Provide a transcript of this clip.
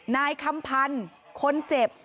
นายคำพันธ์คนเจ็บ